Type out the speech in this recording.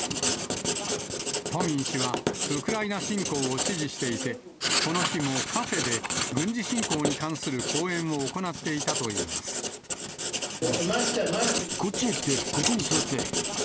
フォミン氏は、ウクライナ侵攻を支持していて、この日もカフェで軍事侵攻に関すこっちへ来て、ここに座って。